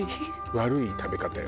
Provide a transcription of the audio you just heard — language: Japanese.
悪い食べ方よ。